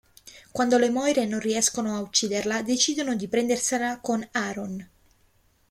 Quando le Moire non riescono a ucciderla, decidono di prendersela con Aaron.